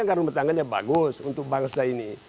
anggaran bertangganya bagus untuk bangsa ini